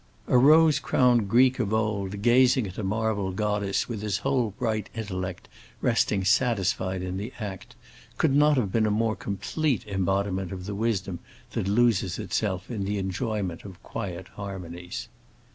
A rose crowned Greek of old, gazing at a marble goddess with his whole bright intellect resting satisfied in the act, could not have been a more complete embodiment of the wisdom that loses itself in the enjoyment of quiet harmonies.